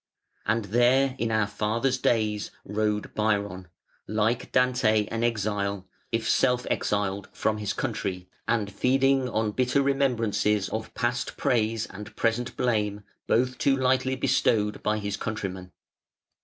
And there, in our fathers' days, rode Byron, like Dante, an exile, if self exiled, from his country, and feeding on bitter remembrances of past praise and present blame, both too lightly bestowed by his countrymen.